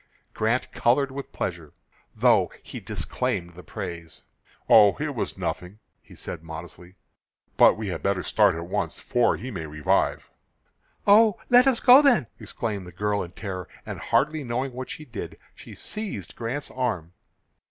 Grant colored with pleasure, though he disclaimed the praise. "Oh, it was nothing!" he said, modestly. "But we had better start at once, for he may revive." "Oh, let us go then," exclaimed the girl in terror, and, hardly knowing what she did, she seized Grant's arm.